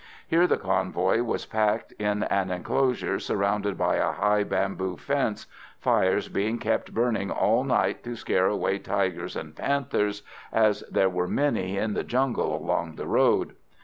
Here the convoy was packed in an enclosure surrounded by a high bamboo fence, fires being kept burning all night to scare away tigers and panthers, as there were many in the jungle along the road.